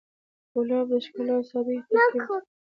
ګلاب د ښکلا او سادګۍ ترکیب دی.